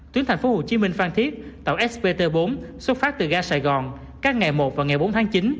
tuyến thành phố hồ chí minh phan thiết tàu spt bốn xuất phát từ ga sài gòn các ngày một và ngày bốn tháng chín